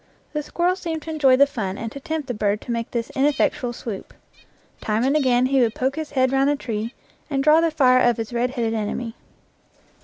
The squirrel seemed to enjoy the fun and to tempt the bird to make this ineffectual swoop. Time and again he would poke his head round the tree and draw the fire of his red headed enemy.